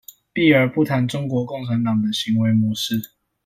避而不談中國共產黨的行為模式